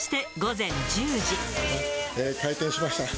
開店しました。